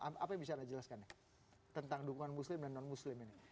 apa yang bisa anda jelaskan tentang dukungan muslim dan non muslim ini